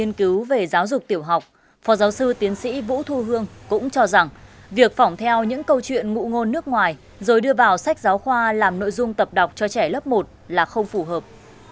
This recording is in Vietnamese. như tiến sĩ vũ thu hương cũng cho rằng việc phỏng theo những câu chuyện ngụ ngôn nước ngoài rồi đưa vào sách giáo khoa làm nội dung tập đọc cho trẻ lớp một là không phù hợp